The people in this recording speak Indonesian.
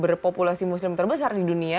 berpopulasi muslim terbesar di dunia